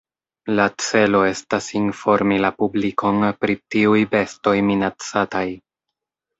La celo estas informi la publikon pri tiuj bestoj minacataj.